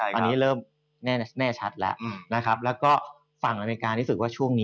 ตอนนี้แล้วแน่ชัดละแล้วก็ฝั่งอำนาจารย์นิยมว่าช่วงนี้